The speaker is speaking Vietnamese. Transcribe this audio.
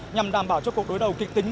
nhằm đảm bảo cho cuộc đối đầu kịch tính